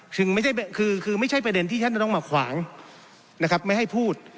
ไม่ใช่คือไม่ใช่ประเด็นที่ท่านจะต้องมาขวางนะครับไม่ให้พูด